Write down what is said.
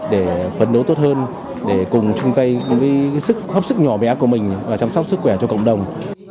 để phấn đấu tốt hơn để cùng chung tay sức góp sức nhỏ bé của mình và chăm sóc sức khỏe cho cộng đồng